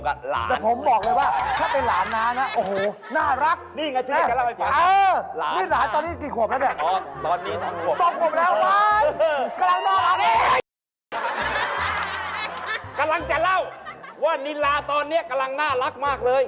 กำลังจะเล่าว่านิลาตอนนี้กำลังน่ารักมากเลย